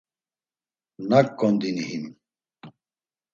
Nak gondini him!